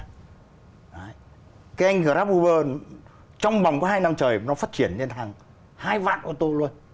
cái anh grab uber trong vòng có hai năm trời nó phát triển lên hàng hai vạn ô tô luôn